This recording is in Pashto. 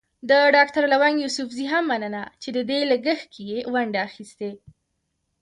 د ډاکټر لونګ يوسفزي هم مننه چې د دې لګښت کې يې ونډه اخيستې.